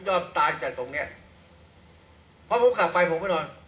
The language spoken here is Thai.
ยอมตายจากตรงเนี้ยพอผมกลับไปผมไม่นอน